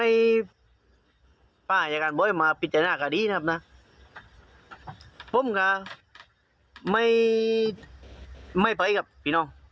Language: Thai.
เอาบอยนี้ผมไม่ไป